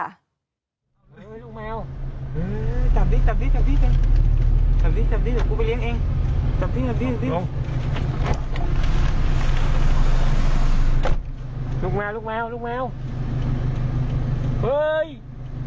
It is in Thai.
เฮ้ยลูกแมว